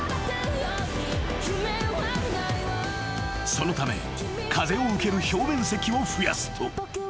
［そのため風を受ける表面積を増やすと］